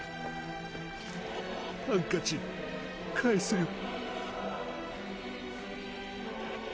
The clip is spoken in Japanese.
ハンカチ返すよ。